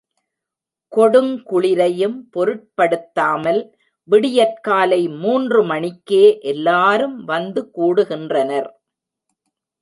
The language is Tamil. கொடுங்குளிரையும் பொருட்படுத்தாமல் விடியற்காலை மூன்று மணிக்கே எல்லாரும் வந்து கூடுகின்றனர்.